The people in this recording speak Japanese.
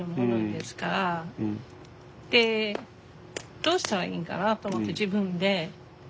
でどうしたらいいんかなと思って自分で。